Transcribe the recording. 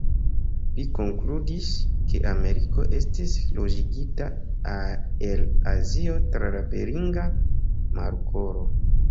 Li konkludis, ke Ameriko estis loĝigita el Azio tra la Beringa Markolo.